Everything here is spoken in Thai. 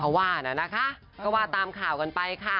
เขาว่านะนะคะก็ว่าตามข่าวกันไปค่ะ